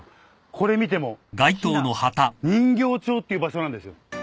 これ見ても雛人形町っていう場所なんですよ。